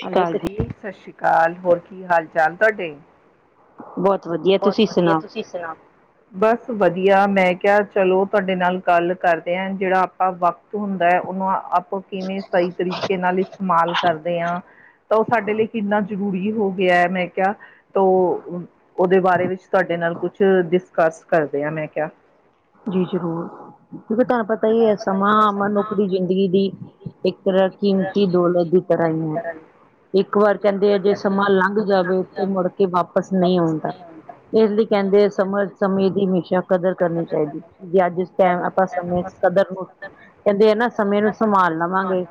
ਸਤਿ ਸ਼੍ਰੀ ਅੰਦਰ ਅਕਾਲ ਜੀ ਚੱਲੀਏ! ਸਤਿ ਸ਼੍ਰੀ ਅਕਾਲ ਹੋਰ ਕੀ ਹਾਲ ਚਾਲ ਤੁਹਾਡੇ। ਬਹੁਤ ਵਧੀਆ। ਬਹੁਤ ਤੁਸੀਂ ਵਧੀਆ ਸੁਣਾਓ ਤੁਸੀਂ ਸੁਣਾਓ। ਬਸ ਵਧੀਆ ਮੈਂ ਕਿਹਾ ਚਲੋ ਤੁਹਾਡੇ ਨਾਲ ਗੱਲ ਕਰਦੇ ਹਾਂ। ਜਿਹੜਾ? ਆ ਵਕਤ ਹੁੰਦਾ ਹੈ। ਉਹਨੂੰ ਅਪ। ਉਹ ਕਿਵੇਂ ਸਹੀ ਤਰੀਕੇ ਨਾਲ ਇਸਤੇਮਾਲ ਕਰਦੇ ਆ। ਤਾਂ ਉਹ ਸਾਡੇ ਲਈ ਕਿੰਨਾ ਜਰੂਰੀ। ਜਰੂਰੀ ਹੋ ਗਿਆ। ਮੈਂ ਕਿਹਾ ਤੋ ਉਹਦੇ ਬਾਰੇ ਵਿੱਚ ਤੁਹਾਡੇ ਨਾਲ ਕੁਛ ਡਿਸਕਸ ਕਰਦੇ ਆਂ ਮੈਂ ਕਿਹਾ। ਜੀ ਜ਼ਰੂਰ। ਕਿਉਂਕਿ ਘਰ ਪਤਾ ਹੀ ਹੈ ਸਮਾਂ। ਮਨੁੱਖ ਦੀ ਜ਼ਿੰਦਗੀ ਦੀ ਇੱਕ ਤਰ੍ਹਾਂ ਕੀਮਤੀ ਦੌਲਤ ਦੀ ਤਰ੍ਹਾਂ ਕੀ ਹੀ ਹੈ ਕਰਨ? ਇੱਕ ਵਾਰ ਕਹਿੰਦੇ ਆ ਜੇ ਸਮਾਂ ਲੰਘ ਜਾਵੇ ਫਿਰ ਮੁੜਕੇ ਵਾਪਿਸ ਨਹੀਂ ਆਉਂਦਾ। ਇਸ ਲਈ ਕਹਿੰਦੇ ਸਮਾਂ ਸਮੇਂ ਦੀ ਹਮੇਸ਼ਾ ਕਦਰ ਕਰਨੀ ਚਾਹੀਦੀ ਕਿਉ ਜੇ ਅੱਜ ਉਸ ਟਾਈਮ ਆਪਾਂ ਸਮੇਂ ਕਦਰ ਕਹਿੰਦੇ ਹੈ ਨਾ ਸਮੇਂ ਨੂੰ ਸੰਭਾਲ ਲਵਾਂਗੇ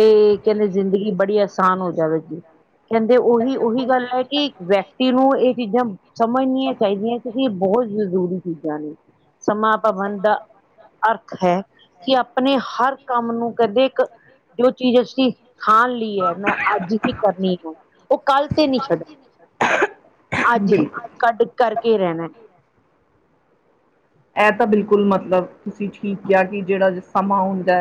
ਤੇ ਕਹਿੰਦੇ ਜ਼ਿੰਦਗੀ ਬੜੀ ਆਸਾਨ ਹੋ ਜਾਵੇ। ਕਹਿੰਦੇ ਉਹੀ ਉਹੀ ਗੱਲ ਹੈ ਕਿ ਵਿਅਕਤੀ ਨੂੰ ਇਹ ਚੀਜ਼ਾਂ ਸਮਝਣੀਆਂ ਚਾਹੀਦੀਆਂ। ਕਿਉਂਕਿ ਬਹੁਤ ਜ਼ਰੂਰੀ ਚੀਜ਼ਾਂ ਨੇ ਸਮਾਂ ਤਾਂ ਬੰਦਾ ਅਰਥ ਹੈ। ਕਿ ਆਪਣੇ ਹਰ ਕੰਮ ਨੂੰ ਕਹਿੰਦੇ ਇੱਕ ਜੋ ਚੀਜ਼ ਅਸੀਂ, ਖਾਣ ਲਈ ਐ ਮੈਂ ਅੱਜ ਹੀ ਕਰਨੀ ਆ। ਉਹ ਕੱਲ ਤੇ ਨਹੀ ਛੱਡ, ਅੱਜ ਹੀ ਬਿਲਕੁਲ ਕੱਢ ਕਰਕੇ ਰਹਿਣਾ। ਐ ਤਾਂ ਬਿਲਕੁਲ ਮਤਲਬ ਤੁਸੀਂ ਠੀਕ ਕਿਹਾ ਕਿ ਜਿਹੜਾ ਸਮਾਂ ਹੁੰਦਾ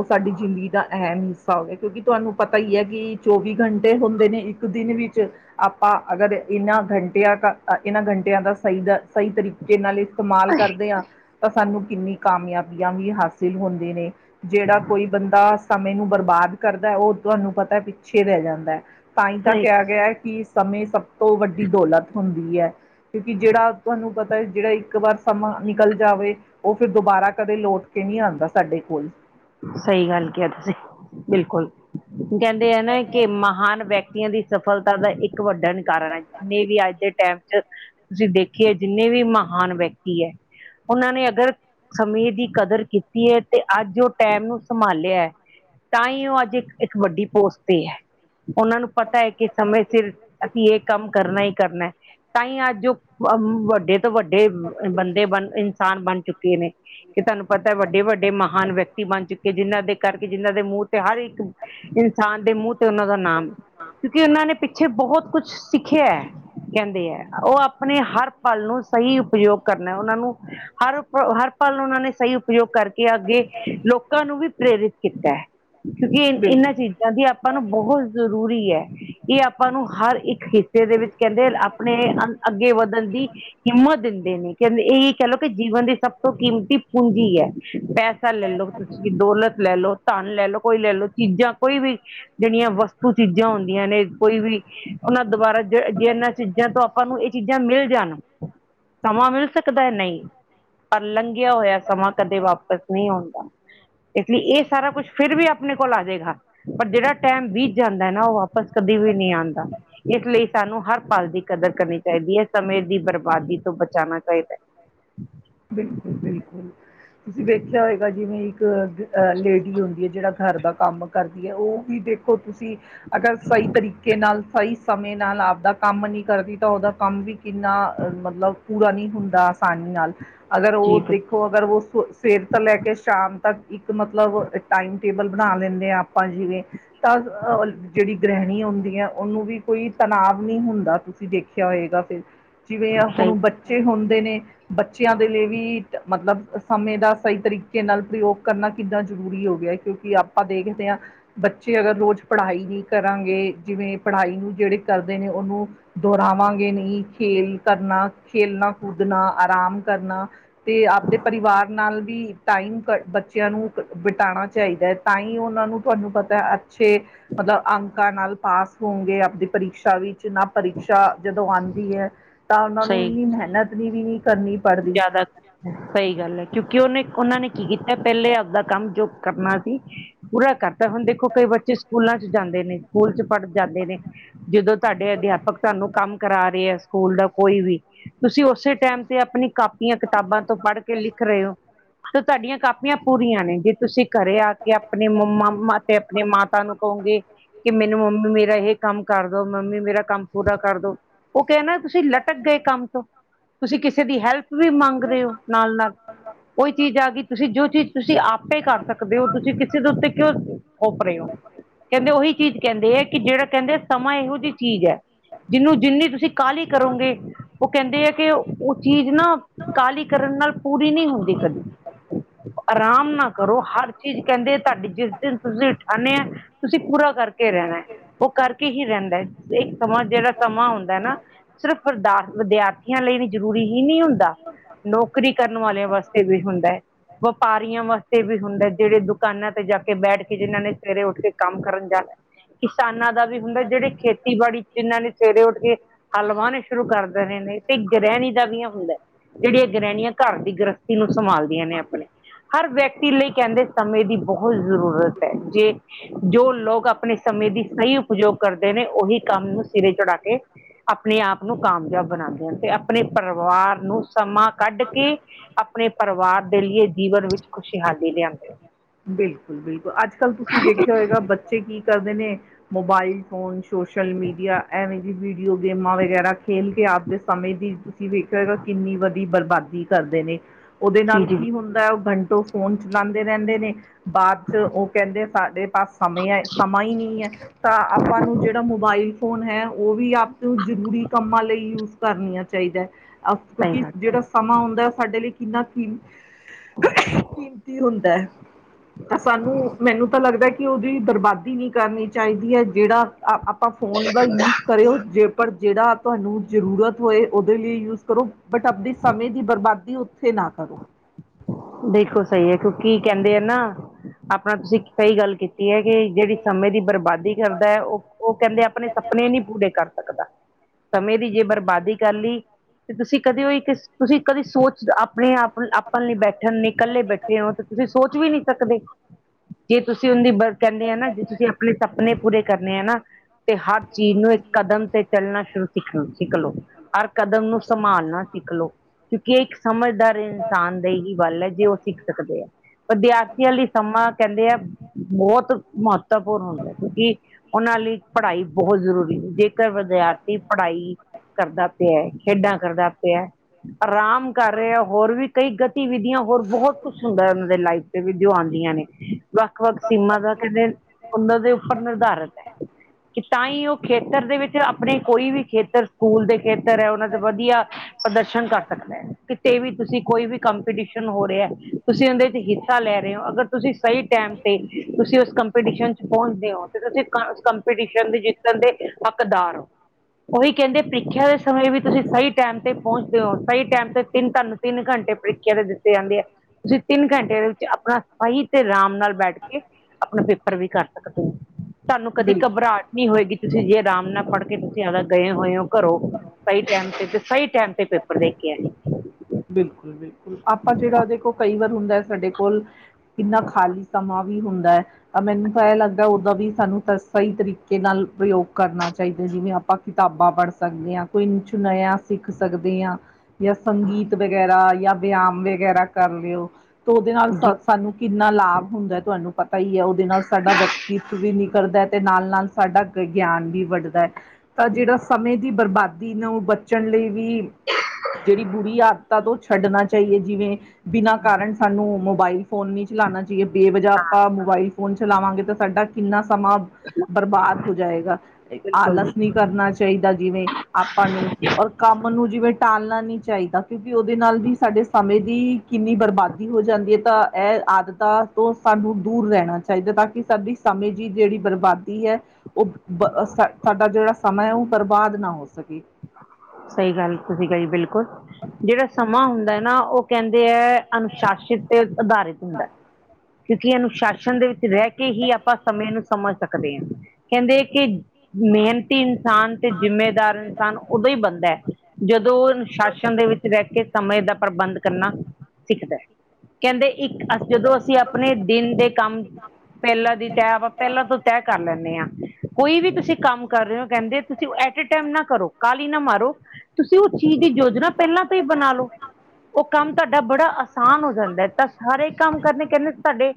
ਉਹ ਸਾਡੀ ਜ਼ਿੰਦਗੀ ਦਾ ਅਹਿਮ ਹਿੱਸਾ ਹੋਵੇ ਕਿਉਂਕਿ ਤੁਹਾਨੂੰ ਪਤਾ ਹੀ ਹੈ ਕਿ ਚੌਵੀ ਘੰਟੇ ਹੁੰਦੇ ਨੇ ਇੱਕ ਦਿਨ ਵਿੱਚ। ਆਪਾਂ ਅਗਰ ਇਹਨਾਂ ਗੰਟਿਆਂ ਕ ਇਹਨਾਂ ਗੰਟਿਆਂ ਦਾ ਸਹੀ ਦਾ ਸਹੀ ਤਰੀਕੇ ਨਾਲ ਇਸਤੇਮਾਲ ਕਰਦੇ ਆ, ਤਾਂ ਸਾਨੂੰ ਕਿੰਨੀ ਕਾਮਯਾਬੀਆਂ ਵੀ ਹਾਸਿਲ ਹੁੰਦੇ ਨੇ। ਜਿਹੜਾ ਕੋਈ ਬੰਦਾ ਸਮੇਂ ਨੂੰ ਬਰਬਾਦ ਕਰਦਾ ਉਹ ਤੁਹਾਨੂੰ ਪਤਾ ਪਿੱਛੇ ਰਹਿ ਜਾਂਦਾ। ਤਾਈ ਤਾਂ ਸਹੀ ਕਿਹਾ ਗਿਆ ਹੈ ਕੀ ਸਮੇਂ ਸਭ ਤੋਂ ਵੱਡੀ ਦੌਲਤ ਹੁੰਦੀ ਐ ਕਿਉਂਕਿ ਜਿਹੜਾ ਤੁਹਾਨੂੰ ਪਤਾ ਜਿਹੜਾ ਇੱਕ ਵਾਰ ਸਮਾਂ ਨਿਕਲ ਜਾਵੇ, ਉਹ ਫਿਰ ਦੁਬਾਰਾ ਕਦੇ ਲੌਟ ਕੇ ਨਹੀ ਆਉਂਦਾ ਸਾਡੇ ਕੋਲ। ਸਹੀ ਗੱਲ ਕਿਹਾ ਤੁਸੀਂ ਬਿਲਕੁਲ, ਕਹਿੰਦੇ ਆ ਨਾ ਕਿ ਮਹਾਨ ਵਿਅਕ ਤੀਆ ਦੀ ਸਫ਼ਲਤਾ ਦਾ ਇੱਕ ਵੱਡਾ ਨਿਕਾਰਨ ਏ ਮੇ ਵੀ ਅੱਜ ਦੇ ਟਾਈਮ 'ਚ ਤੁਸੀਂ ਦੇਖਿਆ ਜਿੰਨੇ ਵੀ ਮਹਾਨ ਵਿਅਕਤੀ ਐ ਉਹਨਾਂ ਨੇ ਅਗਰ, ਸਮੇਂ ਦੀ ਕਦਰ ਕੀਤੀ ਏ ਤੇ ਅੱਜ ਉਹ ਟੈਮ ਨੂੰ ਸੰਭਾਲਿਆ, ਤਾਂ ਹੀ ਉਹ ਅੱਜ ਇੱਕ ਇੱਕ ਵੱਡੀ ਪੋਸਟ ਤੇ ਹੈ। ਉਹਨਾਂ ਨੂੰ ਪਤਾ ਹੈ ਕਿ ਸਮੇਂ ਸਿਰ, ਅਸੀਂ ਇਹ ਕੰਮ ਕਰਨਾ ਹੀ ਕਰਨਾ, ਤਾਂ ਹੀ ਅੱਜ ਉਹ ਵੱਡੇ ਤੋਂ ਵੱਡੇ ਬੰਦੇ ਦੇ ਬਣ ਇਨਸਾਨ ਬਣ ਚੁੱਕੇ ਨੇ ਕਿ ਤੁਹਾਨੂੰ ਪਤਾ ਵੱਡੇ-ਵੱਡੇ ਮਹਾਨ ਵਿਅਕਤੀ ਬਣ ਚੁੱਕੇ ਜਿਹਨਾਂ ਦੇ ਕਰਕੇ ਜਿਹਨਾਂ ਦੇ ਮੂੰਹ ਤੇ ਹਰ ਇੱਕ ਇਨਸਾਨ ਦੇ ਮੂੰਹ ਤੇ ਉਹਨਾਂ ਦਾ ਨਾਮ, ਕਿਉਂਕਿ ਉਹਨਾਂ ਨੇ ਪਿੱਛੇ ਬਹੁਤ ਕੁਛ ਸਿੱਖਿਆ। ਕਹਿੰਦੇ ਐ, ਉਹ ਆਪਣੇ ਹਰ ਪਲ ਨੂੰ ਸਹੀ ਉਪਯੋਗ ਕਰਨਾ ਉਹਨਾਂ ਨੂੰ ਹਰ, ਹਰ ਪਲ ਉਹਨਾਂ ਨੇ ਸਹੀ ਉਪਯੋਗ ਕਰਕੇ ਅੱਗੇ ਲੋਕਾਂ ਨੂੰ ਵੀ ਪ੍ਰੇਰਿਤ ਕੀਤਾ ਐ, ਕਿਉਂਕਿ ਇਹ ਬਿਲਕੁਲ ਇਹਨਾਂ ਚੀ ਜਾਂ ਦੀ ਆਪਾਂ ਨੂੰ ਬਹੁਤ ਜ਼ਰੂਰੀ ਐ ਇਹ ਆਪਾਂ ਨੂੰ ਹਰ ਇੱਕ ਹਿੱ ਸੇ ਦੇ ਵਿੱਚ ਕਹਿੰਦੇ ਆਪਣੇ ਅੱਗੇ ਵਧਣ ਦੀ ਹਿੰਮਤ ਦਿੰਦੇ ਨੇ ਕਹਿੰਦੇ ਇਹ ਕਹਿ ਲੋ ਕਿ ਜੀਵਨ ਦੀ ਸਭ ਤੋਂ ਕੀਮਤੀ ਪੂੰਜੀ ਐ। ਪੈਸੇ ਲੈ ਲਓ, ਤੁਸੀਂ ਦੌਲਤ ਲੈ ਲਓ, ਧੰਨ ਲੈ ਲਓ, ਕੋਈ ਲੈ ਲਓ, ਚੀਜ਼ਾਂ ਕੋਈ ਵੀ ਜਿਹੜੀਆਂ ਵਸਤੂ ਚੀਜ਼ਾਂ ਹੁੰਦੀਆਂ ਨੇ ਕੋਈ ਵੀ। ਉਹਨਾਂ ਦੁਬਾਰਾ ਜ ਜੇ ਇਹਨਾਂ ਚੀਜ਼ਾਂ ਤੋਂ ਆਪਾਂ ਨੂੰ ਇਹ ਚੀਜ਼ਾਂ ਮਿਲ ਜਾਣ ਸਮਾਂ ਮਿਲ ਸਕਦਾ ਏ ਨਹੀਂ, ਪਰ ਲੰਘਿਆ ਹੋਇਆ ਸਮਾਂ ਕਦੇ ਵਾਪਸ ਨਹੀਂ ਆਉਂਦਾ। ਇਸ ਲਈ ਇਹ ਸਾਰਾ ਕੁਛ ਫਿਰ ਵੀ ਆਪਣੇ ਕੋਲ ਆ ਜਾਏਗਾ। ਪਰ ਜਿਹੜਾ ਟੈਮ ਬੀਤ ਜਾਂਦਾ ਏ ਨਾ ਉਹ ਵਾਪਸ ਕਦੇ ਵੀ ਨੀ ਆਂਦਾ। ਇਸ ਲਈ ਸਾਨੂੰ ਹਰ ਪਲ ਦੀ ਕਦਰ ਕਰਨੀ ਚਾਹੀਦੀ ਏ ਸਮੇਂ ਦੀ ਬਰਬਾਦੀ ਤੋਂ ਬਚਾਨਾ ਚਾਹੀਦਾ। ਬਿਲਕੁਲ ਤੁਸੀਂ ਵੇਖਿਆ ਹੋਏਗਾ ਜਿਵੇਂ ਇੱਕ ਲੇਡੀ ਹੁੰਦੀ ਹੈ ਜਿਹੜਾ ਘਰ ਦਾ ਕੰਮ ਕਰਦੀ ਹੈ ਉਹ ਵੀ ਦੇਖੋ ਤੁਸੀਂ ਅਗਰ ਸਹੀ ਤਰੀਕੇ ਨਾਲ ਸਹੀ ਸਮੇਂ ਨਾਲ ਆਪਦਾ ਕੰਮ ਨਹੀ ਕਰਦੀ ਤਾਂ ਉਹਦਾ ਕੰਮ ਵੀ ਕਿੰਨਾ ਅ ਮਤਲਬ ਪੂਰਾ ਨਹੀਂ ਹੁੰਦਾ ਆਸਾਨੀ ਨਾਲ। ਅਗਰ ਜੀ ਉਹ ਬਿਲਕੁਲ ਦੇਖੋ ਅਗਰ ਉਹ ਸਵੇਰ ਤੋਂ ਲੈ ਕੇ ਸ਼ਾਮ ਤੱਕ ਇੱਕ ਮਤਲਬ ਟਾਈਮ ਟੇਬਲ ਬਣਾ ਲੈਂਨੇ ਆ ਆਪਾਂ ਜਿਵੇਂ ਤਾਂ ਜਿਹੜੀ ਗ੍ਰਹਿਣੀ ਆਉਂਦੀ ਐ ਉਹਨੂੰ ਵੀ ਕੋਈ ਤਣਾਵ ਨਹੀਂ ਹੁੰਦਾ ਤੁਸੀਂ ਦੇ ਦੇਖਿਆ ਹੋਏਗਾ ਫੇਰ, ਜਿਵੇਂ ਹੁਣ ਸਹੀ ਬੱਚੇ ਹੁੰਦੇ ਨੇ ਬੱਚਿਆਂ ਦੇ ਲਈ ਵੀ ਮਤਲਬ ਸਮੇਂ ਦਾ ਸਹੀ ਤਰੀਕੇ ਨਾਲ ਪ੍ਰਯੋਗ ਕਰਨਾ ਕਿੱਦਾ ਜ਼ਰੂਰੀ ਹੋ ਗਿਆ ਕਿਉਂਕਿ ਆਪਾਂ ਦੇਖਦੇ ਆ ਬੱਚੇ ਅਗਰ ਰੋਜ਼ ਪੜ੍ਹਾਈ ਨੀ ਕਰਾਂਗੇ ਜਿਵੇਂ ਪੜ੍ਹਾਈ ਨੂੰ ਜੇੜੇ ਕਰਦੇ ਨੇ ਉਨੂੰ ਦੁਹਰਾਵਾਂਗੇ ਨਹੀਂ ਖੇਲ ਕਰਨਾ, ਖੇਲਣਾ ਕੂਦਣਾ, ਆਰਾਮ ਕਰਨਾ ਤੇ ਆਪਦੇ ਪਰਿਵਾਰ ਨਾਲ ਵੀ ਟਾਈਮ ਬ ਬੱਚਿਆਂ ਨੂੰ ਬਿਟਾਣਾ ਚਾਹੀਦੈ। ਤਾਂ ਹੀ ਉਨਾਂ ਨੂੰ ਥੁਹਾਨੂੰ ਪਤਾ ਅੱਛੇ ਮਤਲਬ ਅੰਕਾਂ ਨਾਲ ਪਾਸ ਹੋੋਂਗੇ, ਆਪਦੀ ਪ੍ਰੀਕਸ਼ਾ ਵਿੱਚ ਨਾ ਪ੍ਰੀਕਸ਼ਾ ਜਦੋਂ ਆਂਦੀ ਏ ਤਾਂ ਉਨਾਂ ਨੂੰ ਸਹੀ ਇੰਨੀ ਮਹਨਤ ਨੀ ਵੀ ਕਰਨੀ ਪੜਦੀ। [unintelligible] ਸਹੀ ਗੱਲ ਏ ਕਿਉਂਕਿ ਉਨੇ ਉਨਾਂ ਨੇ ਕੀ ਕੀਤਾ ਪਹਿਲੇ ਆਪਦਾ ਕੰਮ ਜੋ ਕਰਨਾ ਸੀ ਪੂਰਾ ਕਰਤਾ। ਹੁਣ ਦੇਖੋ ਕਈ ਬੱਚੇ ਸਕੂਲਾਂ ਚ ਜਾਂਦੇ ਨੇ ਸਕੂਲ ਚ ਪੜਣ ਜਾਂਦੇ ਨੇ ਜਦੋਂ ਸਾਡੇ ਅਧਆਪਕ ਸਾਨੂੰ ਕੰਮ ਕਰਾ ਰੇ ਏ, ਸਕੂਲ ਦਾ ਕੋਈ ਵੀ, ਤੁਸੀ ਔਸੇ ਟਾਈਮ ਤੇ ਆਪਣੀ ਕਾਪ ਪੀਆਂ ਕਿਤਾਬਾਂ ਤੋਂ ਪੜ੍ ਕੇ ਲਿਖ ਰਹੇ ਹੋ, ਤਾਂ ਤੁਹਾਡੀਆਂ ਕਾਪੀਆਂ ਪੂਰੀਆਂ ਨੇ ਜੇ ਤੁਸੀ ਕਰੇ ਆ ਕਿ ਅਪਣੇ ਮੰਮਾ ਮਾ ਤੇ ਅਪਣੇ ਮਾਤਾ ਨੂੰ ਕਹੋਗੇ ਕਿ ਮੈਨੂੰ ਮੰਮੀ ਮੇਰਾ ਏ ਹ ਕੰਮ ਕਰਦੋ, ਮੰਮੀ ਮੇਰਾ ਕੰਮ ਪੂਰਾ ਕਰਦੋ। ਉਹ ਕਹੇ ਣਾ ਤੁਸੀ ਲਟਕ ਗਏ ਕੰਮ ਤੋਂ ਤੁਸੀ ਕਿਸੇ ਦੀ ਹੈਲਪ ਵੀ ਮੰਗ ਰੇ ੳ ਨਾਲ- ਨਾਲ। ਉਹੀ ਚੀਜ਼ ਆ ਗੀ ਤੁਸੀ ਜੋ ਚੀਜ਼ ਤੁਸੀ ਆਪੇ ਕਰ ਸਕਦੇ ਔ ਤੁਸੀ ਕਿਸੇ ਦੇ ਉਤੇ ਕਿਉਂ ਥੋਪ ਰੇ ਉ। ਕਹਿੰਦੇ ਉਹੀ ਚੀਜ਼ ਕਹਿੰਦੇ ਏ ਕਿ ਜਿਹੜਾ ਕਹਿੰਦੇ ਸਮਾਂ ਇਹੋ ਜੀ ਚੀਜ਼ ਏ ਜਿਨੂੰ ਜਿੰਨੀ ਤੁਸੀ ਕਾਲੀ ਕਰੋਂਗੇ ਉਹ ਕਹਿੰਦੇ ਆ ਕਿ ਉਹ ਚੀਜ਼ ਨਾ ਕਾਲੀ ਕਰਨ ਨਾਲ ਪੂਰੀ ਨੀ ਹੁੰਦੀ ਕਦੀ। ਅਰਾਮ ਨਾ ਕਰੋ ਹਰ ਚੀਜ਼ ਕਹਿੰਦੇ ਤਾਡੀ ਜਿਸ ਦਿਨ ਤੁਸੀ ਉਠਾਨੇ ਐ ਤੁਸੀ ਪੂਰਾ ਕਰਕੇ ਰਹਿਣੈ। ਉਹ ਕਰਕੇ ਹੀ ਰਹੰਦੈ, ਇੱਕ ਸਮਾਂ ਜੇੜਾ ਸਮਾਂ ਹੁੰਦੈ ਨਾ ਸਿਰਫ ਵਿਰਦਾਰ ਵਿਦਆਰਥੀਆਂ ਲਈ ਵੀ ਜ਼ਰੂਰੀ ਹੀ ਨੀ ਹੁੰਦਾ। ਨੌਕਰੀ ਕਰਨ ਵਾਲਯਾਂ ਵਾਸਤੇ ਵੀ ਹੁੰਦੈ। ਵਪਾਰੀਯਾਂ ਵ ਤੇ ਵੀ ਹੁੰਦੈ। ਜੇੜੇ ਦੁਕਾਨਾਂ ਤੇ ਜਾ ਕੇ ਬੈਠ ਕੇ ਜਿਨਾਂ ਨੇ ਸਵੇਰੇ ਉਠ ਕੇ ਕੰਮ ਕਰਨ ਜਾ ਕਿਸਾਨਾਂ ਦਾ ਵੀ ਹੁੰਦੈ। ਜੇੜੇ ਖੇਤੀਬਾੜੀ ਜਿਨਾਂ ਨੇ ਸਵੇਰੇ ਉਠ ਕੇ ਹਲ ਵਾਣੇ ਸ਼ੁਰੂ ਕਰ ਦੇਣੇ ਨੇ, ਤੇ ਗ੍ਰਹਣੀ ਦਾ ਵੀ ਹੁੰਦੈ। ਜੇੜੀਆਂ ਗ੍ਰਹਿਣੀਆਂ ਘਰ ਦੀ ਗ੍ਰਸਥਤੀ ਨੂੰ ਸੰਭਾਲਦੀਆਂ ਨੇ ਅਪਣੀ ਹਰ ਵਅਕਤੀ ਲਈ ਕਹੰਦੇ ਸਮੇਂ ਦੀ ਬਹੁਤ ਜ਼ਰੂਰਤ ਐ। ਜੇ ਜੋ ਲੋਕ ਆਪਣੇ ਸਮੇਂ ਦੀ ਸਹੀ ਉਪਯੋਗ ਕਰਦੇ ਨੇ ਉਹੀ ਕੰਮ ਨੂੰ ਸਿਰੇ ਚੜਾ ਕੇ ਅਪਣੇ ਆਪ ਨੂੰ ਕਾਮਯਾਬ ਬਣਾਦੇ ਨੇ ਤੇ ਅਪਣੇ ਪਰਿਵਾਰ ਨੂੰ ਸਮਾਂ ਕੱਢ ਕੇ ਅਪਣੇ ਪਰਿਵਾਰ ਦੇ ਲਿਏ ਜੀਵਨ ਵਿੱਚ ਖੁਸ਼ੀਹਾਲੀ ਲਿਆਂਦੇ। ਅ ਬਿਲਕੁਲ- ਬਿਲਕੁਲ। ਅਜ -ਕਲ ਤੁਸੀ ਵੇਖਯਾ ਹੋਏਗਾ ਬੱਚੇ ਕੀ ਕਰਦੇ ਨੇ ਮੋਬਾਈਲ ਫੋਨ ਚ ਸੋਸ਼ਲ ਮੀਡੀਆ ਐਵੇਂ ਦੀ ਵੀਡੀਓ ਗੇਮਾਂ ਵਗੈਰਾ ਖੇਲ ਕੇ ਆਪਦੇ ਸਮੇਂ ਦੀ ਤੁਸੀ ਵੇਖਿਆ ਹੋਏਗਾ ਕਿੰਨੀ ਵਧੀ ਬਰਬਾਦੀ ਕਰਦੇ ਨੇ, ਉਦੇ ਜੀ ਨਾਲ ਜੀ ਜੀ ਕੀ ਹੁੰਦੈ ਉਹ ਘੰਟੋ ਫੋਨ ਚਲਾਂਦੇ ਰਹੰਦੇ ਨੇ ਬਾਦ ਚ ਉਹ ਕਹੰਦੇ ਸਾਡੇ ਤਾਂ ਸਮੇਂ ਐ, ਸਮਾਂ ਈ ਨੀ ਐ, ਤਾਂ ਆਪਾਂ ਨੂੰ ਜੇੜਾ ਮੋਬਾਈਲ ਫੋਨ ਹੈ ਉਹ ਵੀ ਆਪ ਨੂੰ ਜਰੂਰੀ ਕੰਮਾਂ ਲਈ ਯੂਜ ਕਰਨੀਆਂ ਚਾਈਦੈ। ਅ ਕਿਯੂੰ ਸਹੀ ਕਿ ਗੱਲ ਜੇੜਾ ਸਮਾਂ ਅਉਂਦਾ ਸਾਡੇ ਲਈ ਕਿੰਨਾ ਕੀਮ ਕੀਮਤੀ ਹੁੰਦੈ। ਐ ਸਾਨੂੰ ਮੈਨੂੰ ਤਾਂ ਲੱਗਦੈ ਕਿ ਔਦੀ ਬਰਬਾਦੀ ਨੀਂ ਕਰਨੀ ਚਾਹੀਦੀ ਏ ਜੇੜਾ ਆਪਾਂ ਫੋਨ ਦਾ ਯੂਜ਼ ਕਰਓ ਜੇ ਪਰ ਜੇੜਾ ਤੁਹਾਨੂੰ ਜਰੂਰਤ ਹੋਏ ਉਦੇ ਲਈ ਯੂਜ ਕਰੋ ਬਟ ਆਪਣੀ ਸਮੇਂ ਦੀ ਬਰਬਾਦੀ ਹੂੰ ਉਥੇ ਨਾ ਕਰੋ। ਦੇਖੋ ਸਹੀ ਏ ਕਿਉਂਕਿ ਕਹਿੰਦੇ ਐ ਨਾ ਆਪਣਾ ਤੁਸੀ ਸਹੀ ਗੱਲ ਕੀ ਕਿ ਹੈ ਕੇ ਨੇ ੜੀ ਸਮੇਂ ਦੀ ਬਰਬਾਦੀ ਕਰਦਾ ਐ ਉਹ- ਉਹ ਕਹਿੰਦੇ ਆਪਣੇ ਸਪਨੇ ਨੀ ਪੂਰੇ ਕਰ ਸਕਦਾ। ਸਮੇਂ ਦੀ ਜੇ ਬਰਬਾਦੀ ਕਰ ਲਈ, ਤੇ ਤੁਸੀਂ ਕਦੇ ਈਓ ਕਿਸ, ਤੁਸੀਂ ਕਦੀ ਸੋਚ ਆਪਣੇ ਆਪ ਆਪਾਂ ਲਈ ਬੈਠਣ ਨੇ ਇਕੱਲੇ ਬੈਠੇ ਹੋ ਤੇ ਤੁਸੀਂ ਸੋਚ ਸੋਚ ਵੀ ਨਹੀਂ ਸਕਦੇ, ਜੇ ਤੁਸੀਂ ਉਹਨੇ ਬੜ ਕਹਿੰਦੇ ਆ ਨਾ ਜੇ ਤੁਸੀਂ ਆਪਣੇ ਸਪਨੇ ਪੂਰੇ ਕਰਨੇ ਐ ਨਾ ਤੇ ਹੱਦ ਚੀਜ਼ ਨੂੰ ਇੱਕ ਕਦਮ ਤੇ ਚੱਲਣਾ ਸ਼ੁਰੂ ਸਿੱਖਨ-ਸਿੱਖਲੋ ਹਰ ਕਦਮ ਨੂੰ ਸੰਭਾਲਣਾ ਸਿੱਖ ਲਓ, ਕਿਉਂਕਿ ਇਹ ਇੱਕ ਸਮਝਦਾਰ ਇਨਸਾਨ ਦੇ ਹੀ ਵੱਲ ਐ ਜੇ ਉਹ ਸਿੱਖ ਸਕਦੇ ਐ। ਵਿਦਿਆਰਥੀਆਂ ਲਈ ਸਮਾਂ ਕੈਹ ਦੇ ਆ ਬਹੁਤ ਮਹੱਤਵਪੂਰਨ ਹੁੰਦਾ ਕਿਉਂਕਿ ਉਹਨਾਂ ਲਈ ਪੜ੍ਹਾਈ ਬਹੋਤ ਜ਼ਰੂਰੀ ਹੁਨ ਜੇ ਕਰਦਾ ਵਿਦਿਆਰਥੀ ਪੜ੍ਹਾਈ ਕਰਦਾ ਪਿਆ ਖੇਡਾਂ ਕਰਦਾ ਪਿਆ ਆਰਾਮ ਕਰ ਰਿਹਾ ਹੋਰ ਵੀ ਕਈ ਗਤੀ ਗਤੀਵਿਧੀਆਂ ਹੋਰ ਬਹੁਤ ਕੁਛ ਹੁੰਦਾ ਉਹਨਾਂ ਦੇ ਲਾਈਫ ਤੇ ਵੀ ਜੋ ਆਉਂਦੀਆਂ ਨੇ ਵੱਖ-ਵੱਖ ਸੀਮਾ ਦਾ ਕਹਿੰਦੇ ਉਹਨਾਂ ਦੇ ਉੱਪਰ ਨਿਰਧਾਰਤ ਐ, ਕਿ ਤਾਂ ਹੀ ਉਹ ਖੇਤਰ ਦੇ ਵਿੱਚ ਅਪ ਆਪਣੇ ਕੋਈ ਵੀ ਖੇਤਰ ਸਕੂਲ ਦੇ ਖੇਤਰ ਐ ਉਹਨਾਂ ਦੇ ਵਧੀਆ ਪ੍ਰਦਰਸ਼ਨ ਕਰ ਸਕਦਾ ਐ, ਕਿਤੇ ਵੀ ਤੁਸੀਂ ਕੋਈ ਵੀ ਕੰਮ ਕੰਮਪੀਟੀਸ਼ਨਸ ਹੋ ਰਿਹਾ ਤੁਸੀਂ ਉਹਦੇ ਚ ਹਿੱਸਾ ਲੈ ਰਹੇ ਹੋ ਅਗਰ ਤੁਸੀਂ ਸਹੀ ਟਾਈਮ ਤੇ ਤੁਸੀਂ ਉਸ ਕੰਮ ਕੰਮਪੀਟੀਸ਼ਨਸ ਪਹੁੰਚਦੇ ਓ ਤੁਸੀਂ ਕ ਉਸ ਕੰਮਪੀਟੀਸ਼ਨਸ ਦੇ ਜਿੱਤਣ ਦੇ ਹੱਕਦਾਰ ਓ। ਉਹੀ ਕਹਿੰਦੇ ਪ੍ਰੀਖਿਆ ਦੇ ਸਮੇਂ ਵੀ ਤੁਸੀਂ ਸਹੀ ਟਾਈਮ ਤੇ ਪਹੁੰਚਦੇ ਹੋ ਸਹੀ ਟਾਈਮ ਤੇ ਤਿੰਨ ਘਟ-ਤਿੰਨ ਘੰਟਿਆ ਪ੍ਰੀ ਪ੍ਰਖਿਆ ਦੇ ਦਿੱਤੇ ਜਾਂਦੇ ਐ। ਤੁਸੀਂ ਤਿੰਨ ਘੰਟੇ ਦੇ ਵਿੱਚ ਆਪਣਾ ਸਹੀ ਤੇ ਆਰਾਮ ਨਾਲ ਬੈਠ ਕੇ ਆਪਣਾ ਪੇਪਰ ਵੀ ਕਰ ਸਕਦੇ ਓ, ਤੁਆਨੂੰ ਕਦੀ ਬਿਲਕੁਲ ਘਬਰਾਹਟ ਨਈ ਹੋਏਗੀ ਤੁਸੀਂ ਜੇ ਆਰਾਮ ਨਾਲ ਪੜ੍ਹ ਕੇ ਤੁਸੀਂ ਆਪਦਾ ਗਏ ਹੋਏ ਹੋ ਘਰੋਂ, ਸਹੀ ਟਾਈਮ ਤੇ ਸਹੀ ਟਾਈਮ ਤੇ ਪੇਪਰ ਦੇ ਕੇ ਆਏ ਓ। ਬਿਲਕੁਲ- ਬਿਲਕੁਲ ਆਪਾਂ ਜਿਹੜਾ ਉਹਦੇ ਕੋਲ ਕਈ ਵਾਰ ਹੁੰਦਾ ਹੈ ਸਾਡੇ ਕੋਲ ਕਿੰਨਾ ਖਾਲੀ ਸਮਾਂ ਵੀ ਹੁੰਦਾ ਐ। ਮੈਨੂੰ ਤਾਂ ਇਹ ਲੱਗਦਾ ਉਹਦਾ ਵੀ ਸਾਨੂੰ ਤਾਂ ਸਹੀ ਤਰੀਕੇ ਨਾਲ ਪ੍ਰਯੋਗ ਕਰਨਾ ਚਾ ਚਾਈਦਾ ਜਿਵੇਂ, ਆਪਾਂ ਕਿਤਾਬਾਂ ਪੜ੍ਹ ਸਕਦੇ ਆ, ਕੋਈ ਕੁਛ ਨਿਆ ਸਿੱਖ ਸਕਦੇ ਆਂ। ਜਾਂ ਸੰਗੀਤ ਵਗੈਰਾ ਜਾਂ ਵਿਆਮ ਵਗੈਰਾ ਕਰ ਲਿਓ ਤੇ ਉਹਦੇ ਨਾਲ ਸ ਜੀ ਸਾਨੂੰ ਕਿੰਨਾ ਲਾਭ ਹੁੰਦਾ ਤੁਆਨੂੰ ਪਤਾ ਹੀ ਐ ਉਹਦੇ ਨਾਲ ਸਾਡਾ ਵਿਅਕਤੀਤਵ ਵੀ ਨਿਕ ਕਰਦਾ ਤੇ ਨਾਲ-ਨਾਲ ਸਾਡਾ ਗਿਆਨ ਵੀ ਵਢ ਦਾ, ਤਾਂ ਜੀਦਾ ਸਮੇਂ ਦੀ ਬਰਬਾਦੀ ਨੂੰ ਬੱਚ ਬੱਚਣ ਲਈ ਵੀ ਜਿਹੜੀ ਬੁਰੀ ਆਦਤਾਂ ਤੋਂ ਛੱਡਣਾ ਚਾਈਏ ਜਿਵੇਂ ਬਿਨਾਂ ਕਾਰਨ ਸਾਨੂੰ ਮੋਬਾਈਲ ਫੋਨ ਨਈ ਚਲਾਣਾ ਚਾਈਏ ਬੇ ਵਜਾ ਆਪਾਂ ਮੋਬਾਈਲ ਫੋਨ ਚਲਾਵਾਂਗੇ ਤਾਂ ਸਾਡਾ ਕਿੰਨਾ ਸਮਾਂ ਬਰਬਾਦ ਹੋ ਜਾਏਗਾ। ਬਿਲਕੁਲ ਆਲਸ ਜੀ ਨਈ ਕਰਨਾ ਚਾਈਦਾ ਜਿਵੇਂ ਆਪਾਂ ਨੂੰ ਔਰ ਕੰਮ ਨੂੰ ਜਿਵੇਂ ਟਾਲਣਾ ਨੀ ਚਾਈਦਾ। ਕਿਉਂਕਿ ਉਹਦੇ ਨਾਲ ਵੀ ਸਾਡੇ ਸਮੇਂ ਦੀ ਕਿੰਨੀ ਬਰਬਾਦੀ ਹੋ ਜਾਂਦੀ ਐ। ਤਾਂ ਇਹ ਆਦਤਾਂ ਤੋਂ ਸਾਨੂੰ ਦੂਰ ਰਹਿਣਾ ਚਾਈਦਾ ਤਾਂ ਕਿ ਸਾਡੀ ਸਮੇਂ ਦੀ ਜਿਹੜੀ ਬਰਬਾਦੀ ਐ। ਉਹ ਬ ਸਾ-ਸਾਡਾ ਜਿਹੜਾ ਸਮਾਂ ਐ ਉਹ ਬਰਬਾਦ ਨਾ ਹੋ ਸਕੇ। ਸਹੀ ਗੱਲ ਤੁਸੀਂ ਕਰੀ ਬਿਲਕੁਲ ਜਿਹੜਾ ਸਮਾਂ ਹੁੰਦਾ ਐ ਨਾ ਉਹ ਕਹਿੰਦੇ ਐ ਅਨੁਸ਼ਾਸਿਤ ਤੇ ਆਧਾਰਿਤ ਹੁੰਦਾ, ਕਿਉਂਕਿ ਅਨੁਸ਼ਾਸਨ ਦੇ ਵਿੱਚ ਰਹਿ ਕੇ ਹੀ ਆਪਾਂ ਸਮੇਂ ਨੂੰ ਸਮਝ ਸਕਦੇ ਆ ਕਹਿੰਦੇ ਕਿ ਮਿਹਨਤੀ ਇਨਸਾਨ ਤੇ ਜਿੰਮੇ ਇਨਸਾਨ ਉਦੋਂ ਈ ਬਣਦਾ ਜਦੋਂ ਅਨੁਸ਼ਾਸਨ ਦੇ ਵਿੱਚ ਰਹਿ ਕੇ ਸਮੇਂ ਦਾ ਪ੍ਰਬੰਧ ਕਰਨਾ ਸਿੱਖਦਾ ਐ। ਕਹਿੰਦੇ ਇੱਕ ਜਦੋਂ ਅਸੀਂ ਆਪਣੇ ਦਿਨ ਦੇ ਕੰਮ ਪਹਿਲਾਂ ਦੀ ਤੈਅ ਵ ਪਹਿਲਾਂ ਤੋਂ ਤੈਅ ਕਰ ਲੈਂਣੇ ਆ ਕੋਈ ਵੀ ਤੁਸੀਂ ਕੰਮ ਕਰ ਰਹੇ ਹੋ ਕਹਿੰਦੇ ਤੁਸੀਂ ਐਟੇ ਟਾਈਮ ਨਾ ਕਰੋ ਓ ਕਾਹਲੀ ਨਾ ਮਾਰੋ ਓ ਤੁਸੀਂ ਉਸ ਚੀਜ਼ ਦੀ ਯੋਜਨਾ ਪਹਿਲਾਂ ਤੋ ਈ ਬਣਾ ਲਓ ਉਹ ਕੰਮ ਤਾਡਾ ਬੜਾ ਆਸਾਨ ਹੋ ਜਾਂਦਾ ਐ ਤਾਂ ਸਾਰੇ ਕੰਮ ਕਰਨੇ ਕਹਿੰਦੇ ਤਾਡੇ ਏ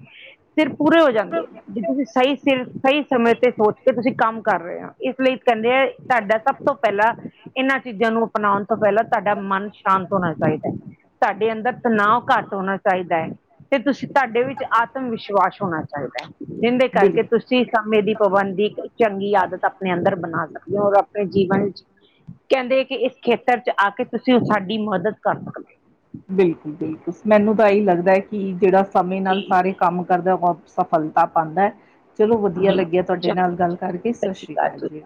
ਸਿਰ ਪੂਰੇ ਹੋ ਜਾਂਦੇ ਏ ਜੇ ਤੁਸੀਂ ਸਹੀ ਸਿਰ ਸਹੀ ਸਮੇਂ ਤੇ ਸੋਚ ਕੇ ਤੁਸੀਂ ਕੰਮ ਕਰ ਰਹੇ ਆ ਇਸ ਲਈ ਕਹਿੰਦੇ ਆ ਤਾਡਾ ਸਭ ਤੋਂ ਪਹਿਲਾਂ ਆ ਇਹਨਾਂ ਚੀਜ਼ਾਂ ਨੂੰ ਅਪਣਾਉਣ ਤੋਂ ਪਹਿਲਾਂ ਤੁਹਾਡਾ ਮਨ ਸ਼ਾਂਤ ਹੋਣਾ ਚਾਹੀਦਾ ਹੈ ਤੁਹਾਡੇ ਅੰਦਰ ਤਣਾਓ ਘੱਟ ਹੋਣਾ ਚਾਹੀਦਾ ਏ ਤੇ ਤੁਸੀ ਤੁਹਾਡੇ ਵਿੱਚ ਆਤਮ ਵਿਸ਼ਵਾਸ ਹੋਣਾ ਚਾਹੀਦਾ ਇਹਦੇ ਬਿਲਕੁਲ ਕਰਕੇ ਤੁਸੀ ਤੁਸੀ ਸਮੇਂ ਦੀ ਪਾਬੰਦੀ ਚੰਗੀ ਆਦਤ ਆਪਣੇ ਅੰਦਰ ਬਣਾ ਸਕਦੇ ਹੋ ਔਰ ਆਪਣੇ ਜੀਵਨ ਕਹਿੰਦੇ ਕਿ ਇਸ ਖੇਤਰ ਚ ਆ ਕੇ ਤੁਸੀਂ ਉਸ ਸਾਡੀ ਮਦਦ ਕਰ ਸਕਦੇ ਓ ਕਰੋ ਬਿਲਕੁਲ ਬਿਲਕੁਲ ਮੈਨੂੰ ਤਾਂ ਇਹੀ ਲੱਗਦਾ ਕਿ ਜਿਹੜਾ ਸਮੇਂ ਜੀ ਨਾਲ ਸਾਰੇ ਕੰਮ ਕਰਦਾ ਔਰ ਸਫਲਤਾ ਪਾਦਾ ਚਲੋ ਵਧੀਆ ਲੱਗੀਆ ਤੁਹਾਡੇ ਨਾਲ ਗੱਲ ਕਰਕੇ ਸਤਿ ਸ਼੍ਰੀ ਅਕਾਲ ਜੀ